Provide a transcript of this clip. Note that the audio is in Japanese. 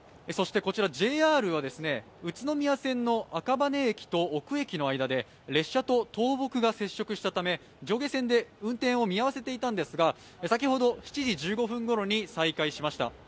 そして、ＪＲは宇都宮線の一部で列車と倒木が接触したため、上下線で運転を見合わせていたんですが先ほど７時１５分ごろに再開しました。